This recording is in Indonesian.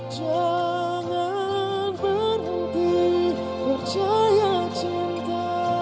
jangan berhenti percaya cinta